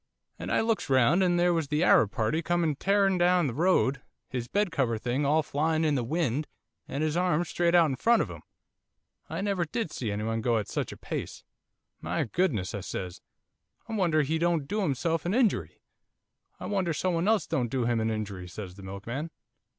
'And I looks round, and there was the Arab party coming tearing down the road, his bedcover thing all flying in the wind, and his arms straight out in front of him, I never did see anyone go at such a pace. "My goodness," I says, "I wonder he don't do himself an injury." "I wonder someone else don't do him an injury," says the milkman.